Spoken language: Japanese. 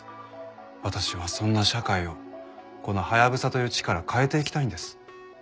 私はそんな社会をこのハヤブサという地から変えていきたいんです。